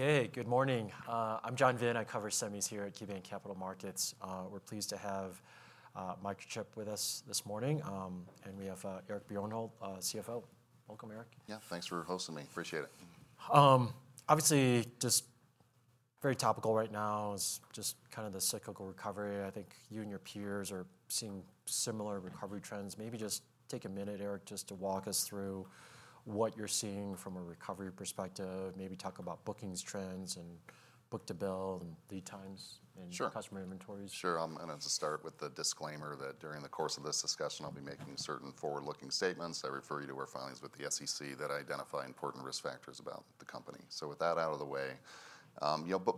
Okay, good morning. I'm John Vinh. I cover semis here at KeyBanc Capital Markets. We're pleased to have Microchip with us this morning. We have Eric Bjornholt, CFO. Welcome, Eric. Yeah, thanks for hosting me. Appreciate it. Obviously, just very topical right now is just kind of the cyclical recovery. I think you and your peers are seeing similar recovery trends. Maybe just take a minute, Eric, to walk us through what you're seeing from a recovery perspective, maybe talk about bookings trends and book-to-bill and lead times and customer inventories. Sure. I'm going to start with the disclaimer that during the course of this discussion, I'll be making certain forward-looking statements. I refer you to our filings with the SEC that identify important risk factors about the company. With that out of the way,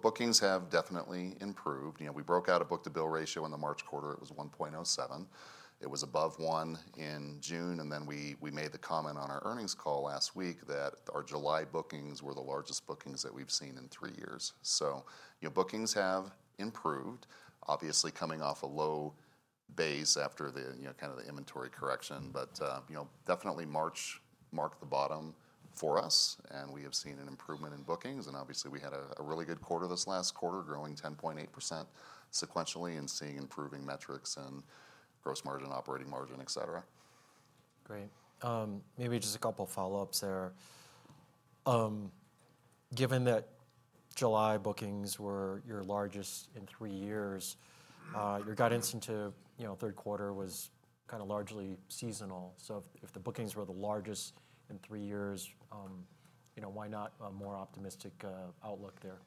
bookings have definitely improved. We broke out a book-to-bill ratio in the March quarter. It was 1.07. It was above one in June. We made the comment on our earnings call last week that our July bookings were the largest bookings that we've seen in three years. Bookings have improved, obviously coming off a low base after the inventory correction. March marked the bottom for us. We have seen an improvement in bookings. We had a really good quarter this last quarter, growing 10.8% sequentially and seeing improving metrics in gross margin, operating margin, etc. Great. Maybe just a couple of follow-ups there. Given that July bookings were your largest in three years, your guidance into the third quarter was kind of largely seasonal. If the bookings were the largest in three years, you know, why not a more optimistic outlook there?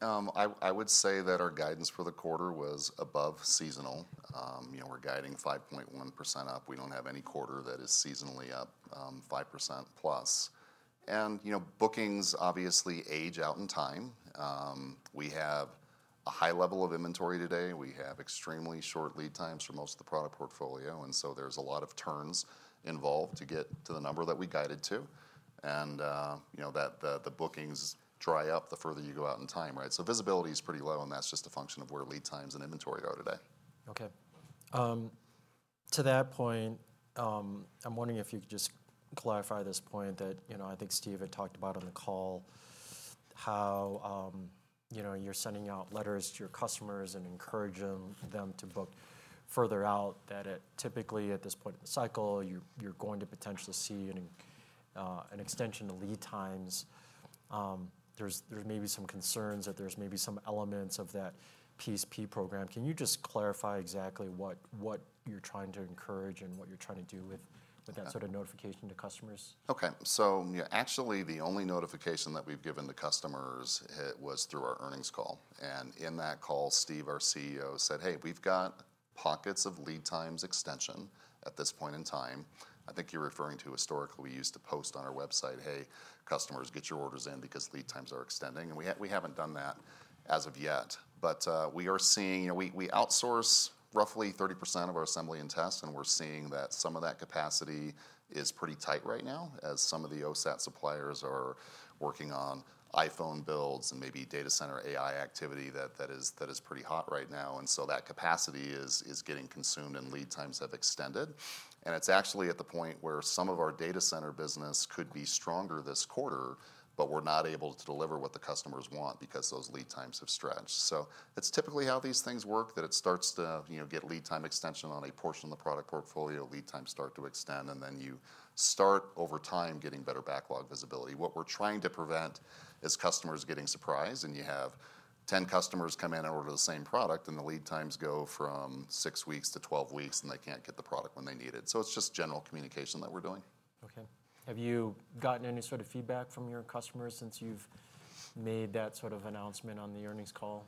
I would say that our guidance for the quarter was above seasonal. You know, we're guiding 5.1% up. We don't have any quarter that is seasonally up 5%+. You know, bookings obviously age out in time. We have a high level of inventory today. We have extremely short lead times for most of the product portfolio, so there's a lot of turns involved to get to the number that we guided to. You know, the bookings dry up the further you go out in time, right? Visibility is pretty low, and that's just a function of where lead times and inventory are today. Okay. To that point, I'm wondering if you could just clarify this point that, you know, I think Steve had talked about on the call how, you know, you're sending out letters to your customers and encouraging them to book further out. Typically at this point in the cycle, you're going to potentially see an extension of lead times. There's maybe some concerns that there's maybe some elements of that PSP. Can you just clarify exactly what you're trying to encourage and what you're trying to do with that sort of notification to customers? Okay. Actually, the only notification that we've given to customers was through our earnings call. In that call, Steve, our CEO, said, "Hey, we've got pockets of lead time extension at this point in time." I think you're referring to historically, we used to post on our website, "Hey, customers, get your orders in because lead times are extending." We haven't done that as of yet. We are seeing, you know, we outsource roughly 30% of our assembly and test. We're seeing that some of that capacity is pretty tight right now as some of the OSAT suppliers are working on iPhone builds and maybe data center AI activity that is pretty hot right now. That capacity is getting consumed and lead times have extended. It's actually at the point where some of our data center business could be stronger this quarter, but we're not able to deliver what the customers want because those lead times have stretched. That's typically how these things work, that it starts to get lead time extension on a portion of the product portfolio, lead times start to extend, and then you start over time getting better backlog visibility. What we're trying to prevent is customers getting surprised. You have 10 customers come in over the same product, and the lead times go from six weeks to 12 weeks, and they can't get the product when they need it. It's just general communication that we're doing. Okay. Have you gotten any sort of feedback from your customers since you've made that sort of announcement on the earnings call?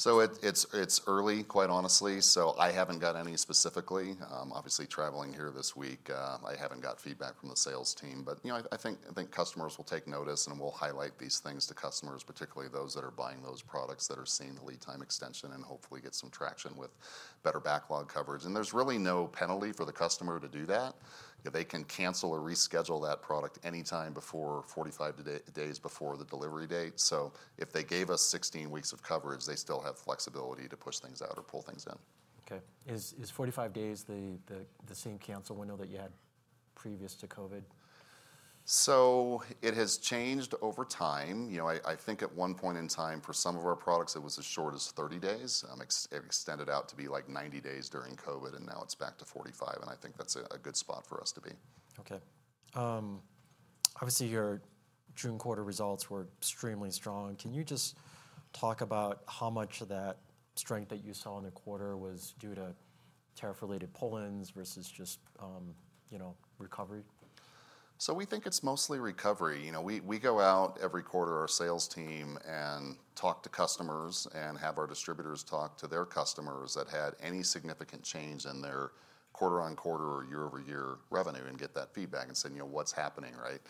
It's early, quite honestly. I haven't gotten any specifically. Obviously, traveling here this week, I haven't got feedback from the sales team. I think customers will take notice and we'll highlight these things to customers, particularly those that are buying those products that are seeing the lead time extension and hopefully get some traction with better backlog coverage. There's really no penalty for the customer to do that. They can cancel or reschedule that product anytime before 45 days before the delivery date. If they gave us 16 weeks of coverage, they still have flexibility to push things out or pull things in. Okay. Is 45 days the same cancel window that you had previous to COVID? It has changed over time. I think at one point in time for some of our products, it was as short as 30 days. It extended out to be like 90 days during COVID, and now it's back to 45. I think that's a good spot for us to be. Okay. Obviously, your June quarter results were extremely strong. Can you just talk about how much of that strength that you saw in a quarter was due to tariff-related pull-ins versus just, you know, recovery? We think it's mostly recovery. We go out every quarter, our sales team, and talk to customers and have our distributors talk to their customers that had any significant change in their quarter-on-quarter or year-over-year revenue and get that feedback and say, you know, what's happening, right?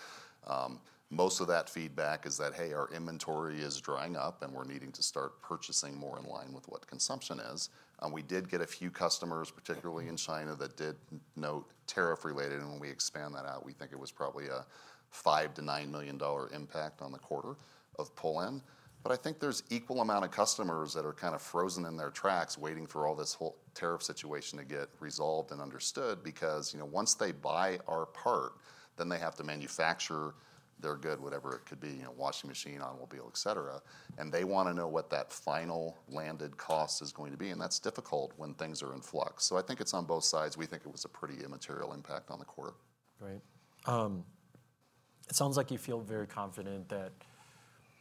Most of that feedback is that, hey, our inventory is drying up and we're needing to start purchasing more in line with what consumption is. We did get a few customers, particularly in China, that did note tariff-related. When we expand that out, we think it was probably a $5 million-$9 million impact on the quarter of pull-in. I think there's an equal amount of customers that are kind of frozen in their tracks waiting for this whole tariff situation to get resolved and understood because, you know, once they buy our part, then they have to manufacture their good, whatever it could be, you know, washing machine, automobile, etc. They want to know what that final landed cost is going to be, and that's difficult when things are in flux. I think it's on both sides. We think it was a pretty immaterial impact on the quarter. Right. It sounds like you feel very confident that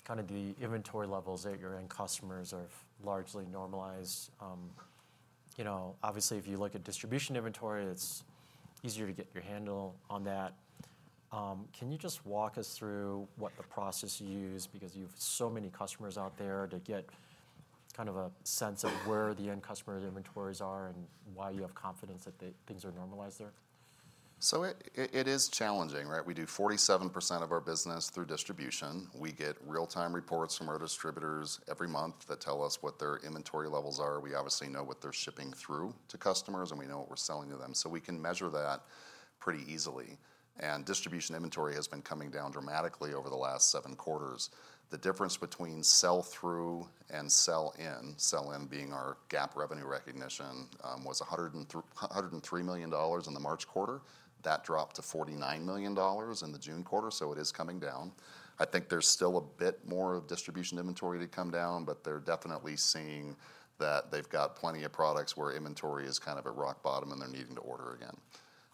the inventory levels that your end customers are largely normalized. Obviously, if you look at distribution inventory, it's easier to get your handle on that. Can you just walk us through what the process you use because you have so many customers out there to get a sense of where the end customer inventories are and why you have confidence that things are normalized there? It is challenging, right? We do 47% of our business through distribution. We get real-time reports from our distributors every month that tell us what their inventory levels are. We obviously know what they're shipping through to customers and we know what we're selling to them. We can measure that pretty easily. Distribution inventory has been coming down dramatically over the last seven quarters. The difference between sell-through and sell-in, sell-in being our GAAP revenue recognition, was $103 million in the March quarter. That dropped to $49 million in the June quarter. It is coming down. I think there's still a bit more of distribution inventory to come down, but they're definitely seeing that they've got plenty of products where inventory is kind of at rock bottom and they're needing to order again.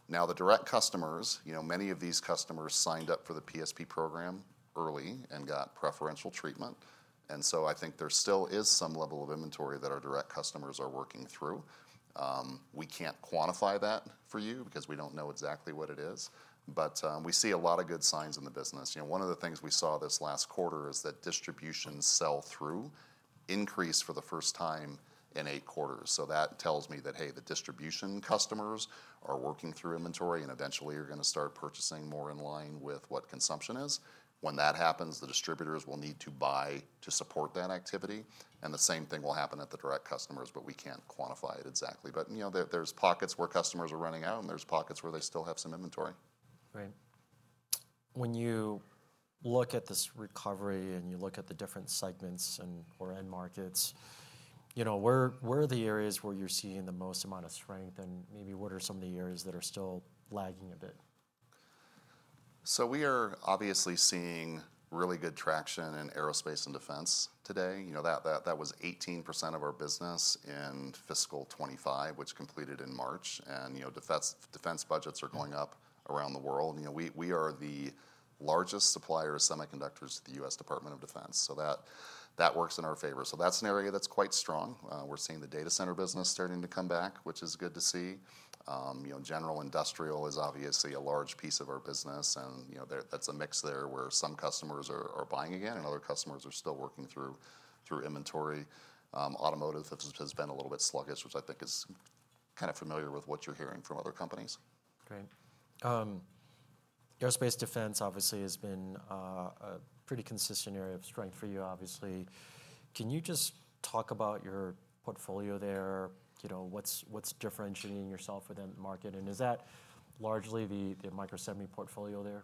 Now, the direct customers, you know, many of these customers signed up for the PSP program early and got preferential treatment. I think there still is some level of inventory that our direct customers are working through. We can't quantify that for you because we don't know exactly what it is. We see a lot of good signs in the business. One of the things we saw this last quarter is that distribution sell-through increased for the first time in eight quarters. That tells me that, hey, the distribution customers are working through inventory and eventually are going to start purchasing more in line with what consumption is. When that happens, the distributors will need to buy to support that activity. The same thing will happen at the direct customers, but we can't quantify it exactly. There are pockets where customers are running out and there are pockets where they still have some inventory. Right. When you look at this recovery and you look at the different segments and or end markets, where are the areas where you're seeing the most amount of strength, and maybe what are some of the areas that are still lagging a bit? We are obviously seeing really good traction in aerospace and defense today. That was 18% of our business in fiscal 2025, which completed in March. Defense budgets are going up around the world. We are the largest supplier of semiconductors to the U.S. Department of Defense, which works in our favor. That is an area that's quite strong. We're seeing the data center business starting to come back, which is good to see. In general, industrial is obviously a large piece of our business, and that's a mix where some customers are buying again and other customers are still working through inventory. Automotive has been a little bit sluggish, which I think is kind of familiar with what you're hearing from other companies. Right. Aerospace defense obviously has been a pretty consistent area of strength for you, obviously. Can you just talk about your portfolio there? What's differentiating yourself within the market? Is that largely the Microsemi portfolio there?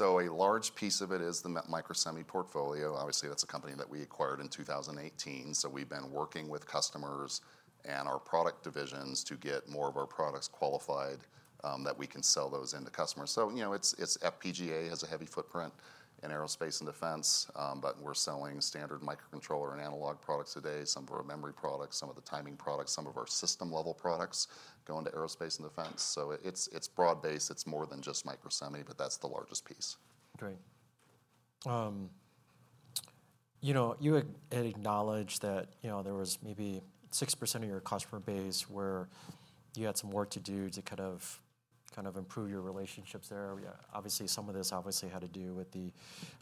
A large piece of it is the Microsemi portfolio. Obviously, that's a company that we acquired in 2018. We've been working with customers and our product divisions to get more of our products qualified that we can sell those into customers. It's FPGAs that have a heavy footprint in aerospace and defense, but we're selling standard microcontroller and analog products today, some of our memory products, some of the timing products, some of our system level products going to aerospace and defense. It's broad based. It's more than just Microsemi, but that's the largest piece. Great. You had acknowledged that there was maybe 6% of your customer base where you had some work to do to kind of improve your relationships there. Obviously, some of this had to do with the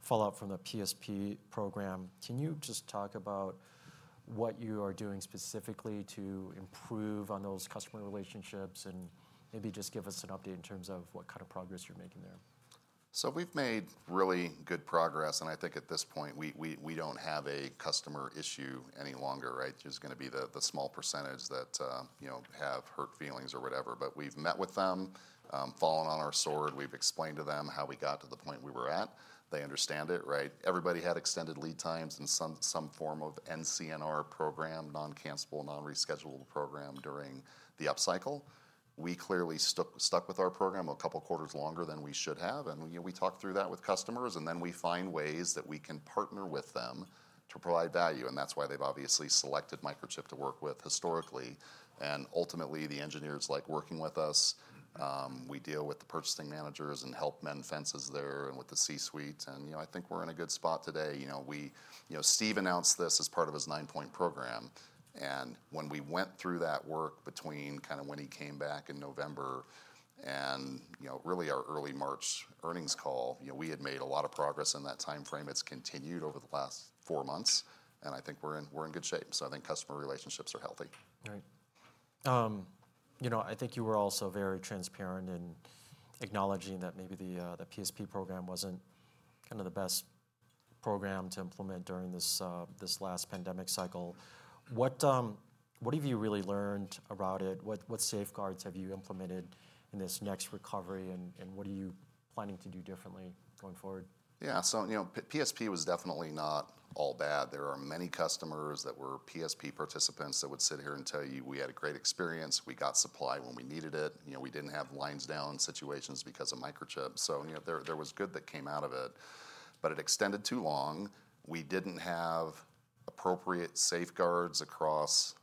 fallout from the PSP program. Can you just talk about what you are doing specifically to improve on those customer relationships and maybe just give us an update in terms of what kind of progress you're making there? We have made really good progress. I think at this point, we do not have a customer issue any longer, right? It is going to be the small percentage that have hurt feelings or whatever. We have met with them, fallen on our sword, and explained to them how we got to the point we were at. They understand it, right? Everybody had extended lead times and some form of NCNR program, non-cancelable, non-reschedulable program during the upcycle. We clearly stuck with our program a couple of quarters longer than we should have, and we talked through that with customers. We find ways that we can partner with them to provide value. That is why they have obviously selected Microchip to work with historically. Ultimately, the engineers like working with us. We deal with the purchasing managers and help mend fences there and with the C-suite. I think we are in a good spot today. Steve announced this as part of his nine-point program. When we went through that work between when he came back in November and our early March earnings call, we had made a lot of progress in that time frame. It has continued over the last four months, and I think we are in good shape. I think customer relationships are healthy. Right. I think you were also very transparent in acknowledging that maybe the PSP program wasn't kind of the best program to implement during this last pandemic cycle. What have you really learned about it? What safeguards have you implemented in this next recovery? What are you planning to do differently going forward? Yeah, so, you know, the PSP was definitely not all bad. There are many customers that were PSP participants that would sit here and tell you we had a great experience. We got supply when we needed it. We didn't have lines down situations because of Microchip. There was good that came out of it. It extended too long. We didn't have appropriate safeguards across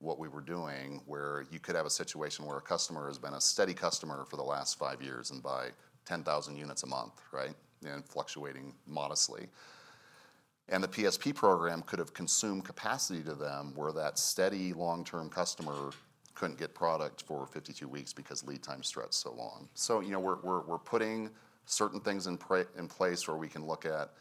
what we were doing where you could have a situation where a customer has been a steady customer for the last five years and buy 10,000 units a month, right? Fluctuating modestly. The PSP program could have consumed capacity to them where that steady long-term customer couldn't get product for 52 weeks because lead time stretched so long. We're putting certain things in place where we can look at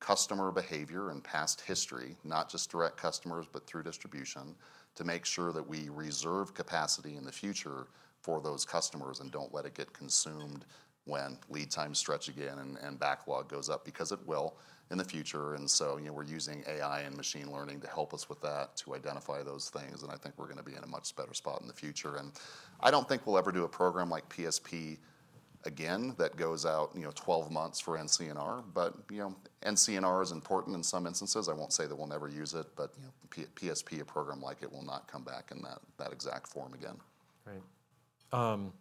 customer behavior and past history, not just direct customers, but through distribution to make sure that we reserve capacity in the future for those customers and don't let it get consumed when lead times stretch again and backlog goes up because it will in the future. We're using AI/Machine Learning to help us with that to identify those things. I think we're going to be in a much better spot in the future. I don't think we'll ever do a program like the PSP again that goes out 12 months for NCNR. NCNR is important in some instances. I won't say that we'll never use it, but the PSP program, a program like it, will not come back in that exact form again. Right.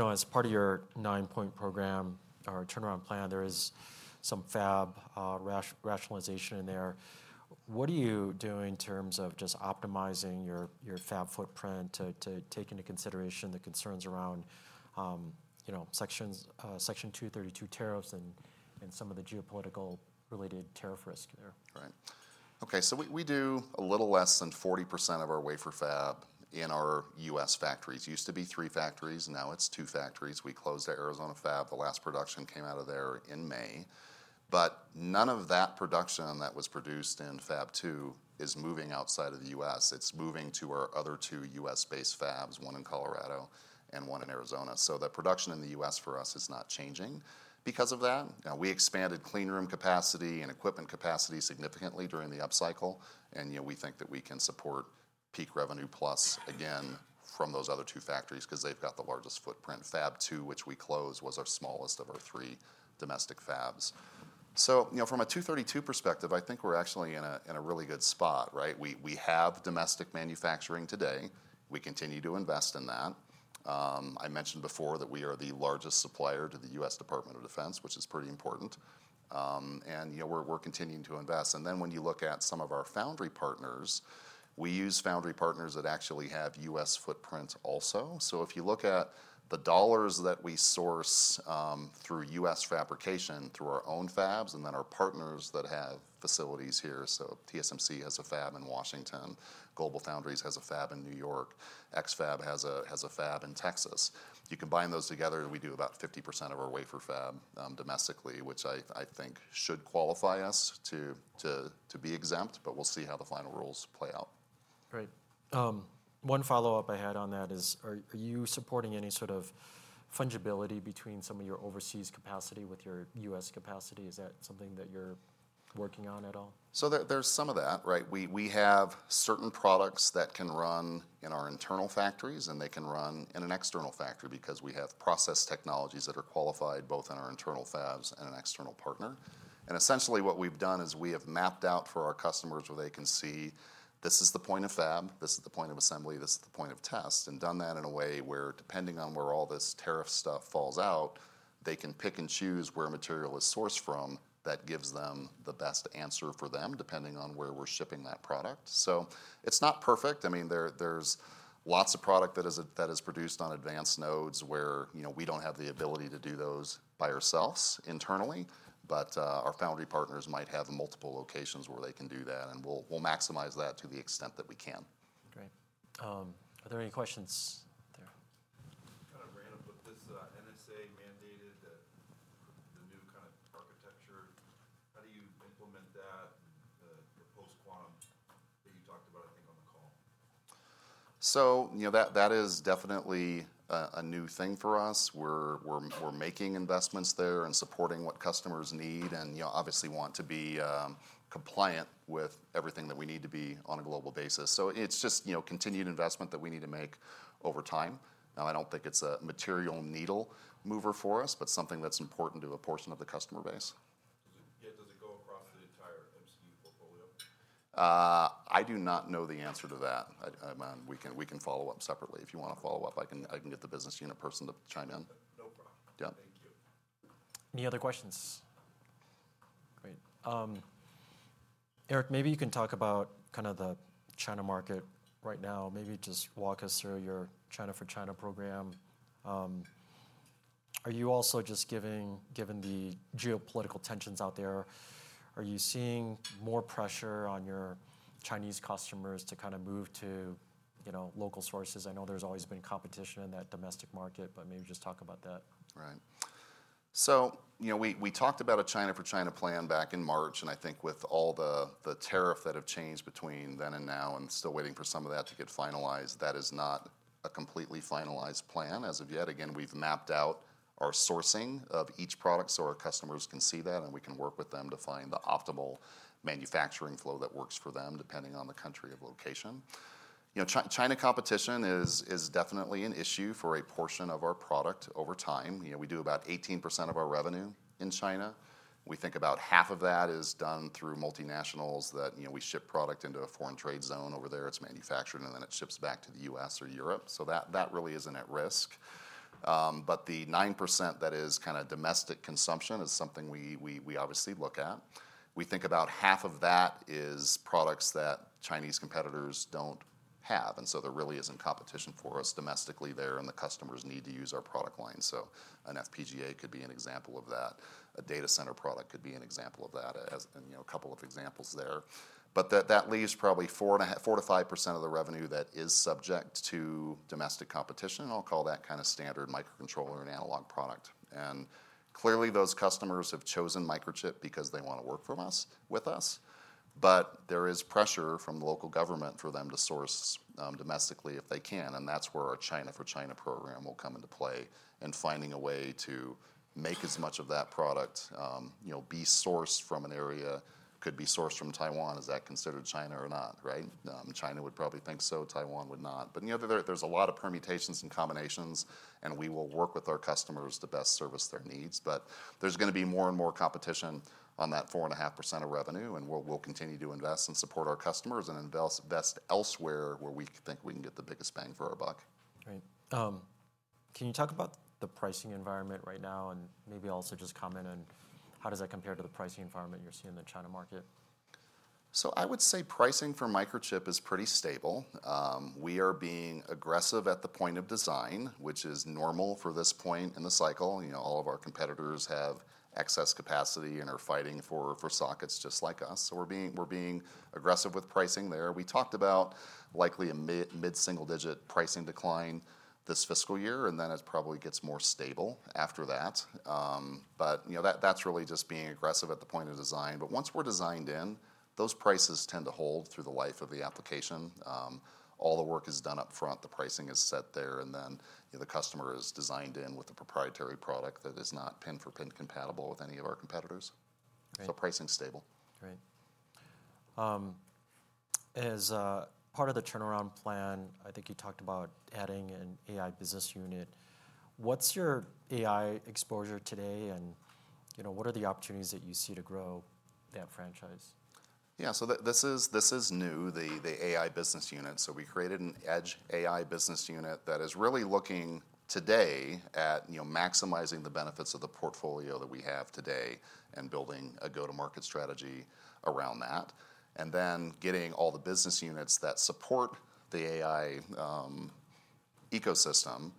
As part of your nine-point program or turnaround plan, there is some Fab rationalization in there. What are you doing in terms of just optimizing your Fab footprint to take into consideration the concerns around Section 232 tariffs and some of the geopolitical related tariff risk there? Right. Okay. We do a little less than 40% of our wafer fabrication in our U.S. factories. It used to be three factories. Now it's two factories. We closed the Arizona Fab. The last production came out of there in May. None of that production that was produced in Fab 2 is moving outside of the U.S. It's moving to our other two U.S.-based Fabs, one in Colorado and one in Arizona. The production in the U.S. for us is not changing because of that. We expanded clean room capacity and equipment capacity significantly during the upcycle. We think that we can support peak revenue plus again from those other two factories because they've got the largest footprint. Fab 2, which we closed, was our smallest of our three domestic Fabs. From a 232 tariff perspective, I think we're actually in a really good spot, right? We have domestic manufacturing today. We continue to invest in that. I mentioned before that we are the largest supplier to the U.S. Department of Defense, which is pretty important. We're continuing to invest. When you look at some of our foundry partners, we use foundry partners that actually have U.S. footprints also. If you look at the dollars that we source through U.S. fabrication through our own Fabs and then our partners that have facilities here, TSMC has a Fab in Washington, GlobalFoundries has a Fab in New York, X-FAB has a Fab in Texas. You combine those together, we do about 50% of our wafer fabrication domestically, which I think should qualify us to be exempt, but we'll see how the final rules play out. Right. One follow-up I had on that is, are you supporting any sort of fungibility between some of your overseas capacity with your U.S. capacity? Is that something that you're working on at all? There is some of that, right? We have certain products that can run in our internal factories, and they can run in an external factory because we have process technologies that are qualified both in our internal FABs and an external partner. Essentially, what we've done is we have mapped out for our customers where they can see this is the point of FAB, this is the point of assembly, this is the point of test, and done that in a way where, depending on where all this tariff stuff falls out, they can pick and choose where material is sourced from that gives them the best answer for them, depending on where we're shipping that product. It is not perfect. There is lots of product that is produced on advanced nodes where, you know, we do not have the ability to do those by ourselves internally, but our foundry partners might have multiple locations where they can do that, and we will maximize that to the extent that we can. Great. Are there any questions there? I just got a random question. This NSA mandated the new kind of architecture. How do you implement that? That is definitely a new thing for us. We're making investments there and supporting what customers need, and obviously want to be compliant with everything that we need to be on a global basis. It's just continued investment that we need to make over time. I don't think it's a material needle mover for us, but something that's important to a portion of the customer base. I do not know the answer to that. We can follow up separately. If you want to follow up, I can get the business unit person to chime in. Yeah. Any other questions? Great. Eric, maybe you can talk about kind of the China market right now. Maybe just walk us through your China for China program. Are you also just given the geopolitical tensions out there? Are you seeing more pressure on your Chinese customers to kind of move to, you know, local sources? I know there's always been competition in that domestic market, but maybe just talk about that. Right. We talked about a China for China plan back in March, and I think with all the tariffs that have changed between then and now and still waiting for some of that to get finalized, that is not a completely finalized plan as of yet. We've mapped out our sourcing of each product so our customers can see that, and we can work with them to find the optimal manufacturing flow that works for them depending on the country of location. China competition is definitely an issue for a portion of our product over time. We do about 18% of our revenue in China. We think about half of that is done through multinationals that we ship product into a foreign trade zone over there. It's manufactured, and then it ships back to the U.S. or Europe. That really isn't at risk. The 9% that is kind of domestic consumption is something we obviously look at. We think about half of that is products that Chinese competitors don't have, and there really isn't competition for us domestically there, and the customers need to use our product line. An FPGA could be an example of that. A data center product could be an example of that, and a couple of examples there. That leaves probably 4%-5% of the revenue that is subject to domestic competition. I'll call that kind of standard microcontroller and analog product. Clearly, those customers have chosen Microchip because they want to work with us. There is pressure from the local government for them to source domestically if they can. That's where our China for China program will come into play and finding a way to make as much of that product be sourced from an area, could be sourced from Taiwan. Is that considered China or not, right? China would probably think so. Taiwan would not. There are a lot of permutations and combinations, and we will work with our customers to best service their needs. There is going to be more and more competition on that 4%-5% of revenue, and we'll continue to invest and support our customers and invest elsewhere where we think we can get the biggest bang for our buck. Right. Can you talk about the pricing environment right now, and maybe also just comment on how does that compare to the pricing environment you're seeing in the China market? I would say pricing for Microchip is pretty stable. We are being aggressive at the point of design, which is normal for this point in the cycle. All of our competitors have excess capacity and are fighting for sockets just like us. We're being aggressive with pricing there. We talked about likely a mid-single-digit pricing decline this fiscal year, and it probably gets more stable after that. That's really just being aggressive at the point of design. Once we're designed in, those prices tend to hold through the life of the application. All the work is done up front. The pricing is set there, and then the customer is designed in with a proprietary product that is not pin for pin compatible with any of our competitors. Pricing is stable. Right. As part of the turnaround plan, I think you talked about adding an AI business unit. What's your AI exposure today, and what are the opportunities that you see to grow that franchise? Yeah, this is new, the AI business unit. We created an edge AI business unit that is really looking today at maximizing the benefits of the portfolio that we have today and building a go-to-market strategy around that. Getting all the business units that support the AI ecosystem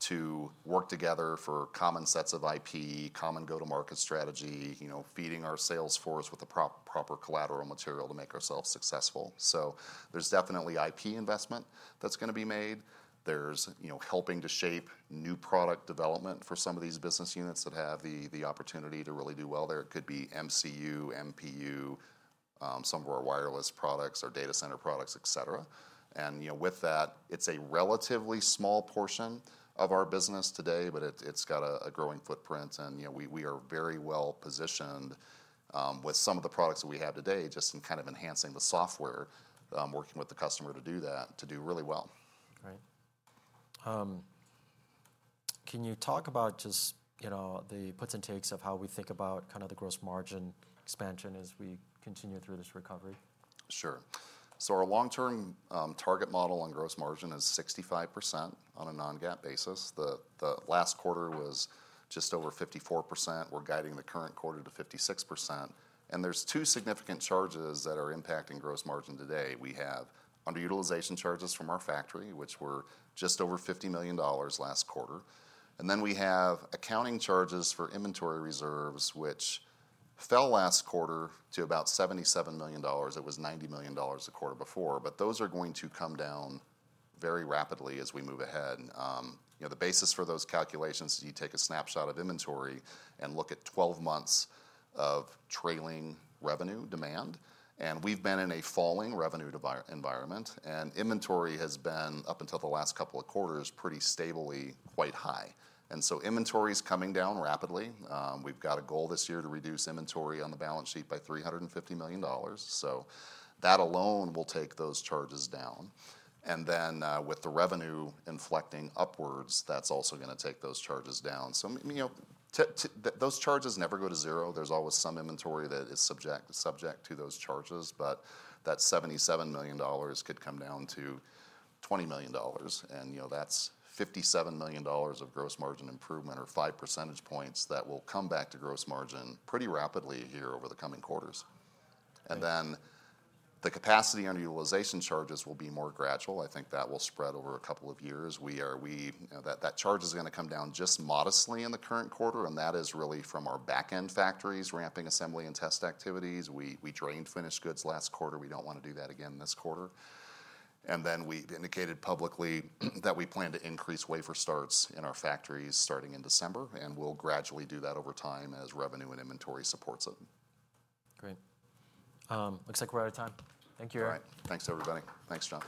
to work together for common sets of IP, common go-to-market strategy, feeding our sales force with the proper collateral material to make ourselves successful. There's definitely IP investment that's going to be made. There's helping to shape new product development for some of these business units that have the opportunity to really do well there. It could be MCU, MPU, some of our wireless products, our data center products, etc. With that, it's a relatively small portion of our business today, but it's got a growing footprint. We are very well positioned with some of the products that we have today, just in kind of enhancing the software, working with the customer to do that, to do really well. Right. Can you talk about the puts and takes of how we think about the gross margin expansion as we continue through this recovery? Sure. Our long-term target model on gross margin is 65% on a non-GAAP basis. The last quarter was just over 54%. We're guiding the current quarter to 56%. There are two significant charges that are impacting gross margin today. We have underutilization charges from our factory, which were just over $50 million last quarter. We also have accounting charges for inventory reserves, which fell last quarter to about $77 million. It was $90 million a quarter before. Those are going to come down very rapidly as we move ahead. The basis for those calculations is you take a snapshot of inventory and look at 12 months of trailing revenue demand. We've been in a falling revenue environment, and inventory has been, up until the last couple of quarters, pretty stably quite high. Inventory is coming down rapidly. We've got a goal this year to reduce inventory on the balance sheet by $350 million. That alone will take those charges down. With the revenue inflecting upwards, that's also going to take those charges down. Those charges never go to zero. There's always some inventory that is subject to those charges. That $77 million could come down to $20 million. That's $57 million of gross margin improvement or five percentage points that will come back to gross margin pretty rapidly here over the coming quarters. The capacity underutilization charges will be more gradual. I think that will spread over a couple of years. That charge is going to come down just modestly in the current quarter. That is really from our backend factories, ramping assembly and test activities. We drained finished goods last quarter. We don't want to do that again this quarter. We indicated publicly that we plan to increase wafer starts in our factories starting in December. We'll gradually do that over time as revenue and inventory supports it. Great. Looks like we're out of time. Thank you, Eric. All right. Thanks, everybody. Thanks, John.